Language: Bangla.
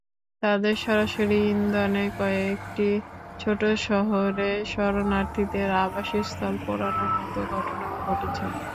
তাদের সরাসরি ইন্ধনে কয়েকটি ছোট শহরে শরণার্থীদের আবাসস্থল পোড়ানোর মতো ঘটনাও ঘটেছে।